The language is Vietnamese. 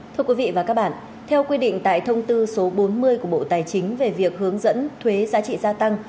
thưa quý vị và các bạn theo quy định tại thông tư số bốn mươi của bộ tài chính về việc hướng dẫn thuế giá trị gia tăng